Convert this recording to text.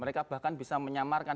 mereka bahkan bisa menyamarkan